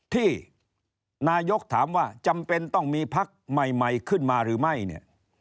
ที่นายกถามว่าจำเป็นต้องมีพักใหม่ขึ้นมาหรือไม่เนี่ย